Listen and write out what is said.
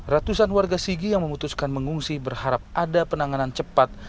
ratusan warga sigi yang memutuskan mengungsi berharap ada penanganan cepat